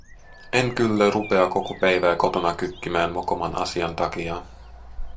En kyllä rupea koko päivää kotona kykkimään mokoman asian takia.